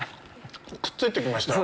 くっついてきましたよ。